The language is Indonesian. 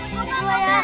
beli dua ya